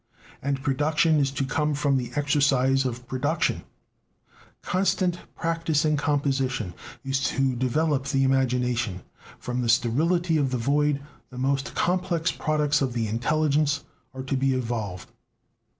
And production is to come from the exercise of production; "constant practise in composition" is to develop the imagination; from the sterility of the void the most complex products of the intelligence are to be evolved!